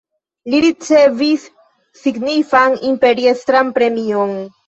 Li ricevis signifan imperiestran premion.